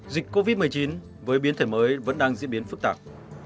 dịch covid một mươi chín với biến thể mới vẫn đang diễn biến phức tạp